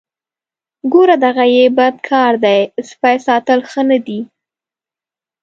ګوره دغه یې بد کار دی سپی ساتل ښه نه دي.